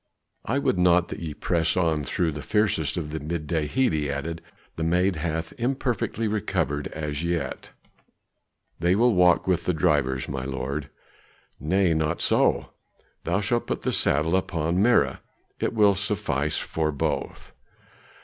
I would not that ye press on through the fiercest of the midday heat," he added; "the maid hath imperfectly recovered as yet." "They will walk with the drivers, my lord?" "Nay, not so. Thou shalt put the saddle upon Mirah, it will suffice for both."